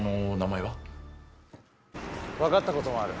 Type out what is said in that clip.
分かったこともある。